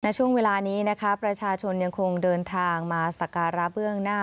ช่วงเวลานี้นะคะประชาชนยังคงเดินทางมาสการะเบื้องหน้า